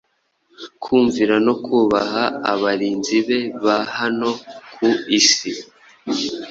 kumvira no kubaha abarinzi be ba hano ku isi.